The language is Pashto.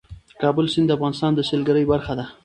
د کابل سیند د افغانستان د سیلګرۍ برخه ده.